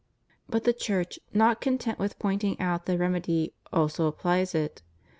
But the Church, not content with pointing out the remedy, also applies it.